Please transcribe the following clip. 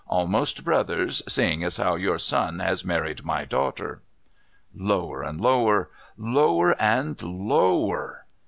Almost brothers, seeing as how your son has married my daughter." Lower and lower! Lower and lower!